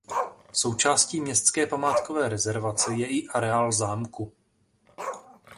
Součástí městské památkové rezervace je i areál zámku.